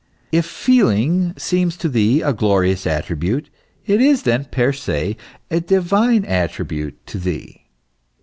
If feeling seems to thee a glorious attribute, it is then, per se, a divine attribute to thee.